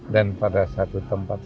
dan pada satu tempat lain